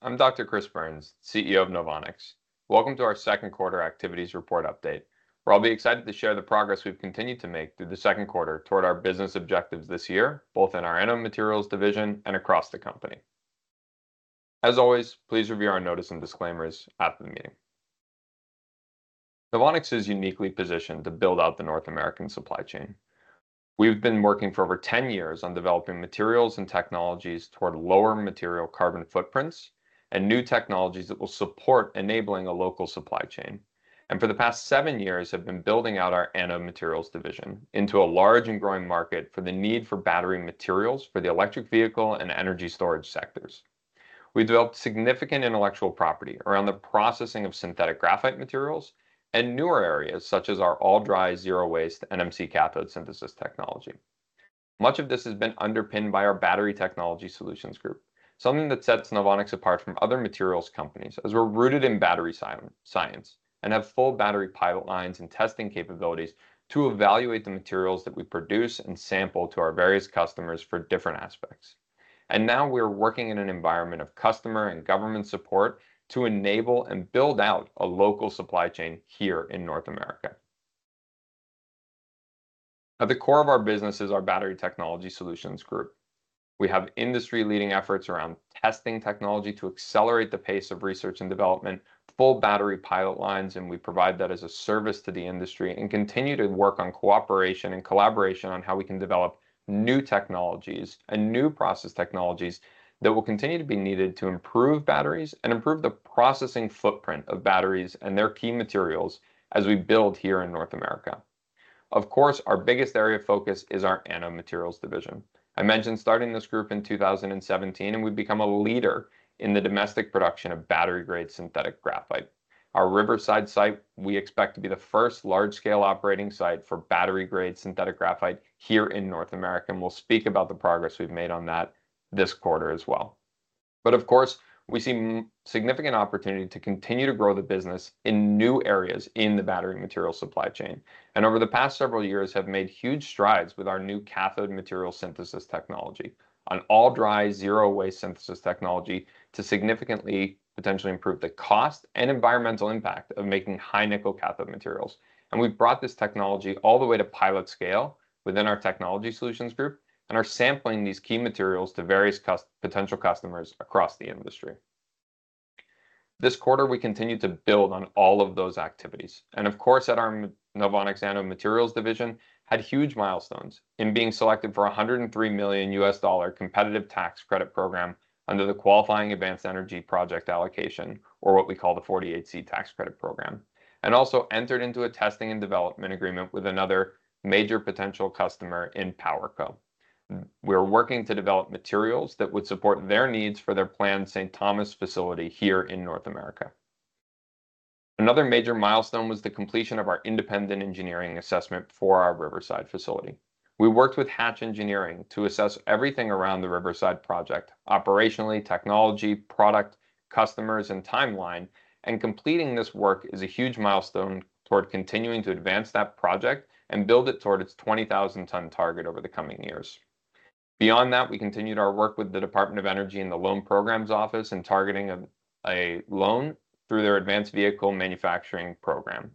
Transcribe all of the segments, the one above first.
Hi, I'm Dr. Chris Burns, CEO of NOVONIX. Welcome to our second quarter activities report update, where I'll be excited to share the progress we've continued to make through the second quarter toward our business objectives this year, both in our Anode Materials division and across the company. As always, please review our notice and disclaimers at the meeting. NOVONIX is uniquely positioned to build out the North American supply chain. We've been working for over 10 years on developing materials and technologies toward lower material carbon footprints and new technologies that will support enabling a local supply chain, and for the past 7 years have been building out our Anode Materials division into a large and growing market for the need for battery materials for the electric vehicle and energy storage sectors. We developed significant intellectual property around the processing of synthetic graphite materials and newer areas, such as our all-dry, zero-waste NMC cathode synthesis technology. Much of this has been underpinned by our Battery Technology Solutions Group, something that sets NOVONIX apart from other materials companies, as we're rooted in battery science, and have full battery pilot lines and testing capabilities to evaluate the materials that we produce and sample to our various customers for different aspects. And now we're working in an environment of customer and government support to enable and build out a local supply chain here in North America. At the core of our business is our Battery Technology Solutions Group. We have industry-leading efforts around testing technology to accelerate the pace of research and development, full battery pilot lines, and we provide that as a service to the industry, and continue to work on cooperation and collaboration on how we can develop new technologies and new process technologies that will continue to be needed to improve batteries and improve the processing footprint of batteries and their key materials as we build here in North America. Of course, our biggest area of focus is our Anode Materials division. I mentioned starting this group in 2017, and we've become a leader in the domestic production of battery-grade synthetic graphite. Our Riverside site, we expect to be the first large-scale operating site for battery-grade synthetic graphite here in North America, and we'll speak about the progress we've made on that this quarter as well. But of course, we see significant opportunity to continue to grow the business in new areas in the battery material supply chain, and over the past several years have made huge strides with our new cathode material synthesis technology, an all-dry, zero-waste synthesis technology to significantly potentially improve the cost and environmental impact of making high nickel cathode materials. And we've brought this technology all the way to pilot scale within our technology solutions group and are sampling these key materials to various potential customers across the industry. This quarter, we continued to build on all of those activities, and of course, at our NOVONIX Anode Materials division, had huge milestones in being selected for a $103 million competitive tax credit program under the Qualifying Advanced Energy Project allocation, or what we call the 48C tax credit program. And also entered into a testing and development agreement with another major potential customer in PowerCo. We're working to develop materials that would support their needs for their planned St. Thomas facility here in North America. Another major milestone was the completion of our independent engineering assessment for our Riverside facility. We worked with Hatch Engineering to assess everything around the Riverside project, operationally, technology, product, customers, and timeline. And completing this work is a huge milestone toward continuing to advance that project and build it toward its 20,000-ton target over the coming years. Beyond that, we continued our work with the Department of Energy and the Loan Programs Office in targeting a loan through their Advanced Vehicle Manufacturing program.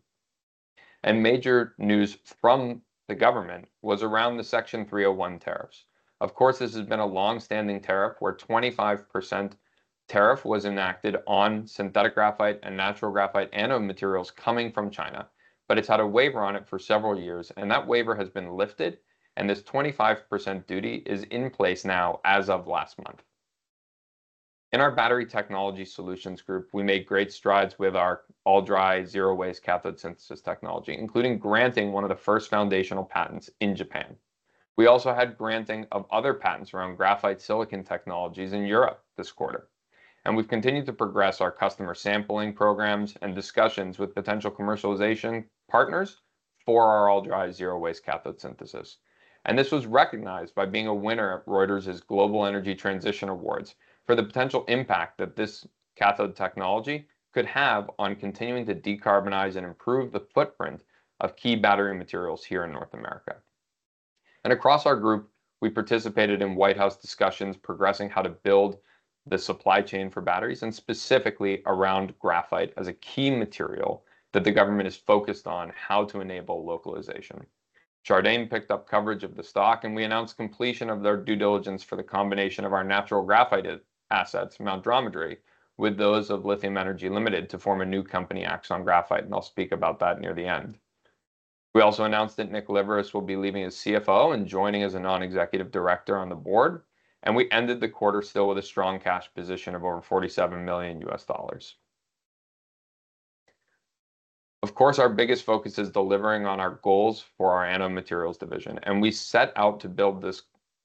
And major news from the government was around the Section 301 tariffs. Of course, this has been a long-standing tariff, where 25% tariff was enacted on synthetic graphite and natural graphite anode materials coming from China, but it's had a waiver on it for several years, and that waiver has been lifted, and this 25% duty is in place now as of last month. In our Battery Technology Solutions group, we made great strides with our all-dry, zero-waste cathode synthesis technology, including granting one of the first foundational patents in Japan. We also had granting of other patents around graphite silicon technologies in Europe this quarter, and we've continued to progress our customer sampling programs and discussions with potential commercialization partners for our all-dry, zero-waste cathode synthesis. This was recognized by being a winner at Reuters's Global Energy Transition Awards for the potential impact that this cathode technology could have on continuing to decarbonize and improve the footprint of key battery materials here in North America. Across our group, we participated in White House discussions progressing how to build the supply chain for batteries and specifically around graphite as a key material that the government is focused on how to enable localization. Chardan picked up coverage of the stock, and we announced completion of their due diligence for the combination of our natural graphite assets, Mount Dromedary, with those of Lithium Energy Limited to form a new company, Axon Graphite, and I'll speak about that near the end. We also announced that Nick Liveris will be leaving as CFO and joining as a non-executive director on the board, and we ended the quarter still with a strong cash position of over $47 million. Of course, our biggest focus is delivering on our goals for our Anode Materials division, and we set out to build this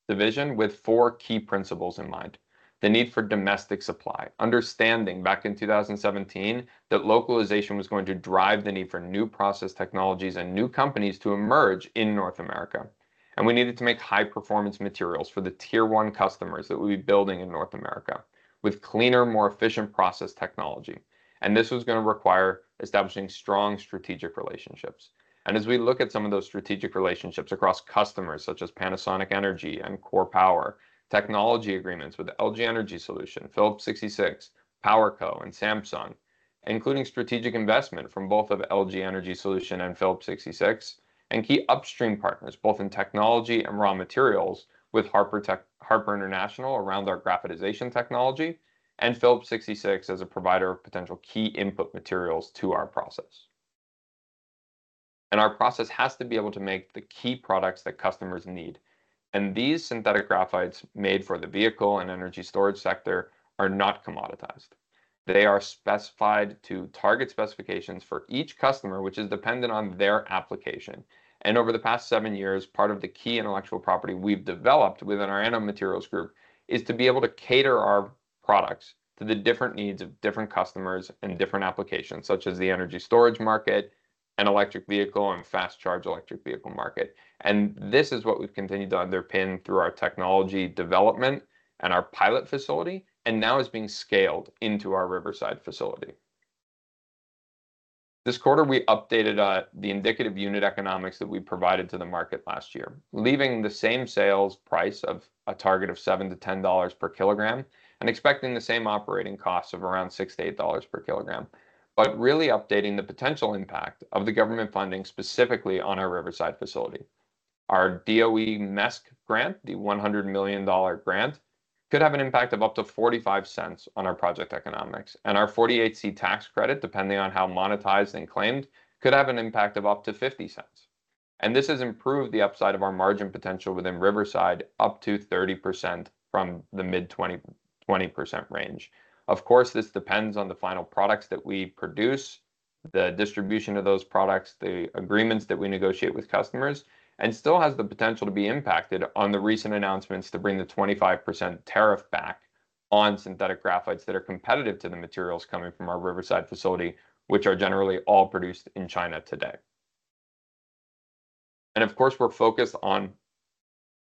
division with four key principles in mind: the need for domestic supply, understanding back in 2017 that localization was going to drive the need for new process technologies and new companies to emerge in North America, and we needed to make high-performance materials for the tier one customers that we'll be building in North America with cleaner, more efficient process technology. And this was gonna require establishing strong strategic relationships. As we look at some of those strategic relationships across customers, such as Panasonic Energy and KORE Power, technology agreements with LG Energy Solution, Phillips 66, PowerCo, and Samsung SDI—including strategic investment from both of LG Energy Solution and Phillips 66, and key upstream partners, both in technology and raw materials, with Harper International around our graphitization technology and Phillips 66 as a provider of potential key input materials to our process. Our process has to be able to make the key products that customers need, and these synthetic graphites made for the vehicle and energy storage sector are not commoditized. They are specified to target specifications for each customer, which is dependent on their application. Over the past 7 years, part of the key intellectual property we've developed within our nanomaterials group is to be able to cater our products to the different needs of different customers and different applications, such as the energy storage market and electric vehicle and fast charge electric vehicle market. This is what we've continued to underpin through our technology development and our pilot facility, and now is being scaled into our Riverside facility. This quarter, we updated the indicative unit economics that we provided to the market last year, leaving the same sales price of a target of $7-$10 per kilogram and expecting the same operating costs of around $6-$8 per kilogram. Really updating the potential impact of the government funding, specifically on our Riverside facility. Our DOE MESC grant, the $100 million grant, could have an impact of up to $0.45 on our project economics, and our 48C Tax Credit, depending on how monetized and claimed, could have an impact of up to $0.50. This has improved the upside of our margin potential within Riverside up to 30% from the mid-20, 20% range. Of course, this depends on the final products that we produce, the distribution of those products, the agreements that we negotiate with customers, and still has the potential to be impacted on the recent announcements to bring the 25% tariff back on synthetic graphites that are competitive to the materials coming from our Riverside facility, which are generally all produced in China today. Of course, we're focused on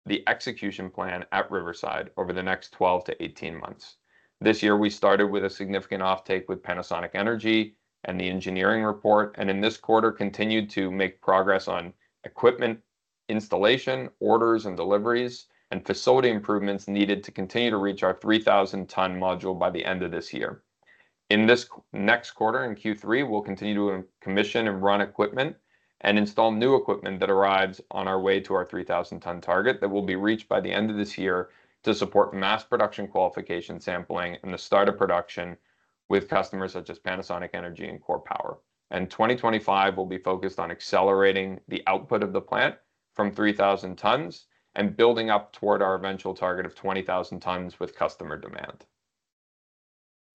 the execution plan at Riverside over the next 12-18 months. This year, we started with a significant offtake with Panasonic Energy and the engineering report, and in this quarter, continued to make progress on equipment, installation, orders and deliveries, and facility improvements needed to continue to reach our 3,000-ton module by the end of this year. In this next quarter, in Q3, we'll continue to commission and run equipment and install new equipment that arrives on our way to our 3,000-ton target that will be reached by the end of this year to support mass production, qualification, sampling and the start of production with customers such as Panasonic Energy and KORE Power. Twenty twenty-five will be focused on accelerating the output of the plant from 3,000 tons and building up toward our eventual target of 20,000 tons with customer demand.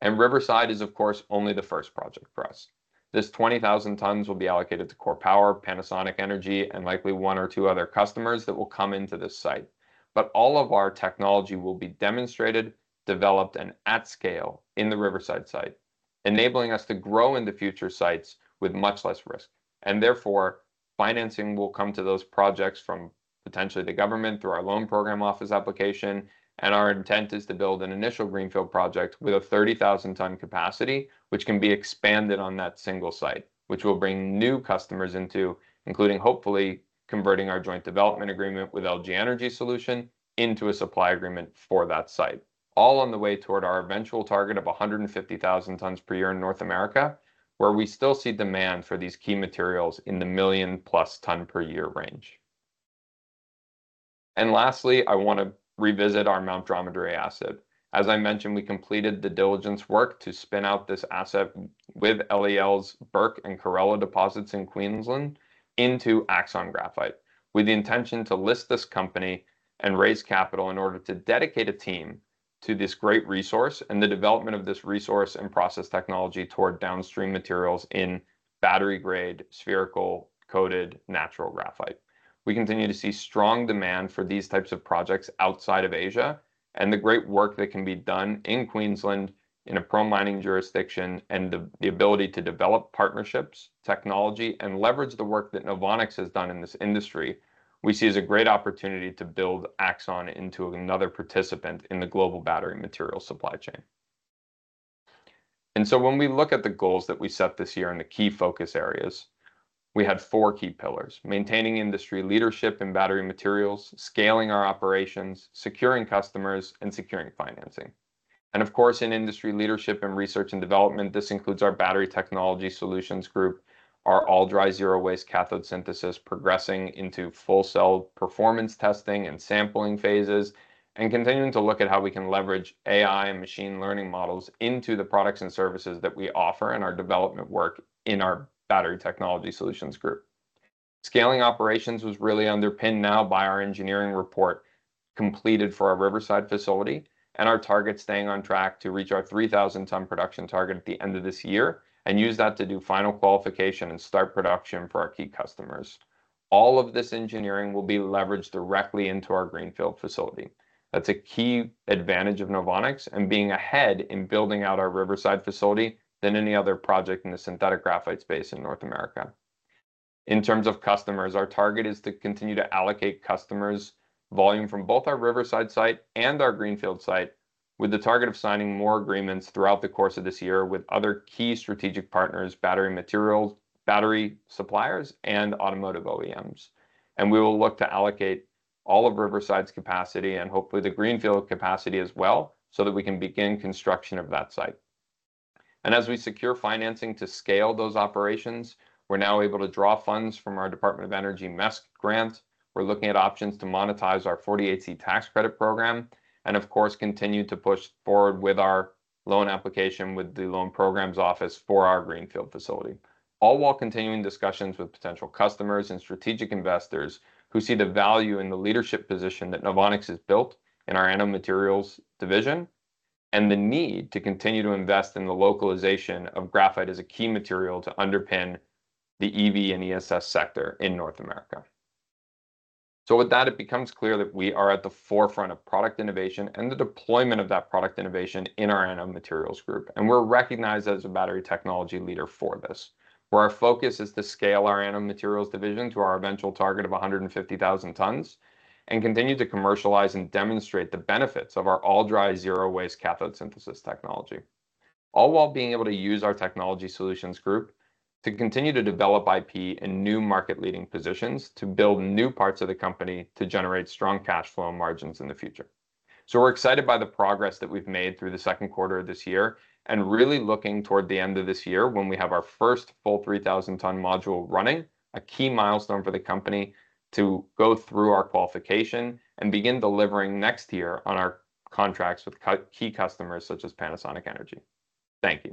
Riverside is, of course, only the first project for us. This 20,000 tons will be allocated to KORE Power, Panasonic Energy, and likely one or two other customers that will come into this site. But all of our technology will be demonstrated, developed, and at scale in the Riverside site, enabling us to grow in the future sites with much less risk. And therefore, financing will come to those projects from potentially the government through our loan program office application. And our intent is to build an initial greenfield project with a 30,000-ton capacity, which can be expanded on that single site, which will bring new customers into including hopefully converting our joint development agreement with LG Energy Solution into a supply agreement for that site. All on the way toward our eventual target of 150,000 tons per year in North America, where we still see demand for these key materials in the 1 million-plus ton per year range. Lastly, I want to revisit our Mount Dromedary asset. As I mentioned, we completed the diligence work to spin out this asset with LEL's Burke and Corella deposits in Queensland into Axon Graphite, with the intention to list this company and raise capital in order to dedicate a team to this great resource and the development of this resource and process technology toward downstream materials in battery-grade, spherical, coated natural graphite. We continue to see strong demand for these types of projects outside of Asia and the great work that can be done in Queensland in a pro-mining jurisdiction, and the ability to develop partnerships, technology, and leverage the work that NOVONIX has done in this industry, we see as a great opportunity to build Axon into another participant in the global battery material supply chain. And so when we look at the goals that we set this year and the key focus areas, we had four key pillars: maintaining industry leadership in battery materials, scaling our operations, securing customers, and securing financing. And of course, in industry leadership and research and development, this includes our Battery Technology Solutions group, our All-Dry, Zero-Waste Cathode Synthesis progressing into full cell performance testing and sampling phases, and continuing to look at how we can leverage AI and machine learning models into the products and services that we offer and our development work in our Battery Technology Solutions group. Scaling operations was really underpinned now by our engineering report, completed for our Riverside facility and our target staying on track to reach our 3,000-ton production target at the end of this year and use that to do final qualification and start production for our key customers. All of this engineering will be leveraged directly into our greenfield facility. That's a key advantage of NOVONIX and being ahead in building out our Riverside facility than any other project in the synthetic graphite space in North America. In terms of customers, our target is to continue to allocate customers' volume from both our Riverside site and our Greenfield site, with the target of signing more agreements throughout the course of this year with other key strategic partners, battery materials, battery suppliers, and automotive OEMs. We will look to allocate all of Riverside's capacity and hopefully the Greenfield capacity as well, so that we can begin construction of that site. As we secure financing to scale those operations, we're now able to draw funds from our Department of Energy MESC grant. We're looking at options to monetize our 48C Tax Credit program and of course, continue to push forward with our loan application with the Loan Programs Office for our Greenfield facility. All while continuing discussions with potential customers and strategic investors who see the value in the leadership position that NOVONIX has built in our Anode Materials division, and the need to continue to invest in the localization of graphite as a key material to underpin the EV and ESS sector in North America. So with that, it becomes clear that we are at the forefront of product innovation and the deployment of that product innovation in our Anode Materials group, and we're recognized as a battery technology leader for this. Where our focus is to scale our Anode Materials division to our eventual target of 150,000 tons, and continue to commercialize and demonstrate the benefits of our All-Dry, Zero-Waste Cathode Synthesis technology. All while being able to use our Technology Solutions group to continue to develop IP and new market-leading positions, to build new parts of the company, to generate strong cash flow and margins in the future. So we're excited by the progress that we've made through the second quarter of this year and really looking toward the end of this year when we have our first full 3,000-ton module running, a key milestone for the company to go through our qualification and begin delivering next year on our contracts with key customers such as Panasonic Energy. Thank you.